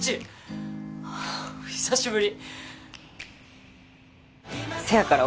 久しぶり